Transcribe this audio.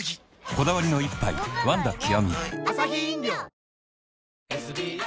こだわりの一杯「ワンダ極」